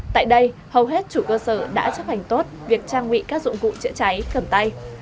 tại đây hầu hết chủ cơ sở đã chấp hành tốt việc trang bị các dụng cụ chữa cháy cầm tay